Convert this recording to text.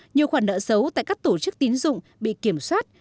nhiều khoản nợ xấu tại các tổ chức tín dụng bị kiểm soát